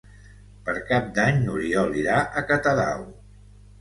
Per Cap d'Any n'Oriol irà a Catadau.